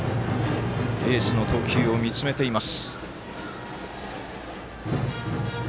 エースの投球を見つめています。